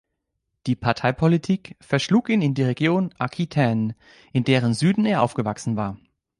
Die Parteipolitik verschlug ihn in die Region Aquitaine, in deren Süden er aufgewachsen war.